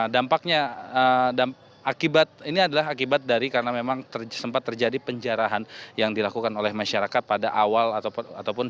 dampaknya akibat ini adalah akibat dari karena memang sempat terjadi penjarahan yang dilakukan oleh masyarakat pada awal ataupun